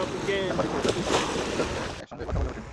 সাংবাদিক পরিচয় দিয়ে কথা বলতে গেলে বেশ কয়েকজন একসঙ্গে কথা বলে ওঠেন।